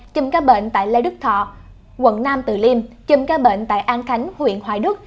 chùm ca bệnh tại lê đức thọ quận nam từ liêm chùm ca bệnh tại an khánh huyện hoài đức